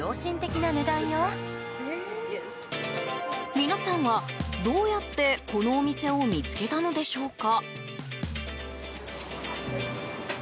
皆さんは、どうやってこのお店を見つけたのでしょうか？